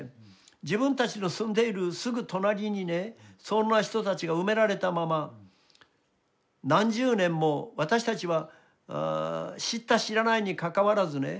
自分たちの住んでいるすぐ隣にねそんな人たちが埋められたまま何十年も私たちは知った知らないにかかわらずね